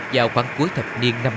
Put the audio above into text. vào khoảng cuối thập niên năm mươi